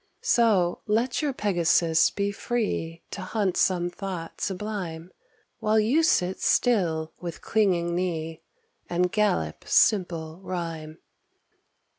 So, let your Pegasus be free To hunt some thought sublime, While you sit still, with clinging knee, And gallop simple rhyme.